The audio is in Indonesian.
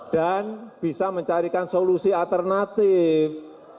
dan bisa mencarikan solusi alternatif